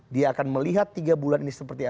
dia akan melihat tiga bulan ini seperti apa